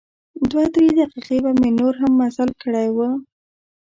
دوه درې دقیقې به مې نور هم مزل کړی و.